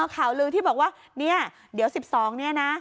ข่าวลือที่บอกว่าเดี๋ยว๑๒นี้นะ